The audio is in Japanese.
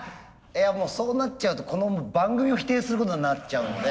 いやもうそうなっちゃうとこの番組を否定することになっちゃうので。